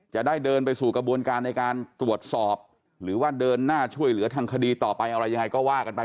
จะได้เดินไปสู่กระบวนการในการตรวจสอบหรือว่าเดินหน้าช่วยเหลือทางคดีต่อไปอะไรยังไงก็ว่ากันไป